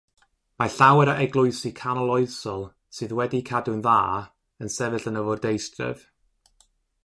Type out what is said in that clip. Mae llawer o eglwysi canoloesol sydd wedi'u cadw'n dda yn sefyll yn y fwrdeistref.